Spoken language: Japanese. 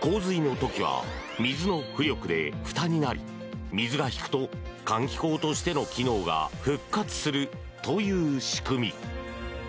洪水の時は水の浮力でふたになり水が引くと換気口としての機能が復活するという仕組み。